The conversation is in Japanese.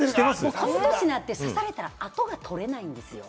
この歳になって刺されたら痕が取れないんですよ。